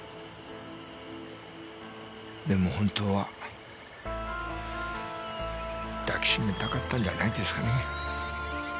でも本当は抱きしめたかったんじゃないですかね。